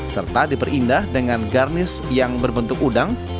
serta diperindah dengan garnish yang berbentuk udang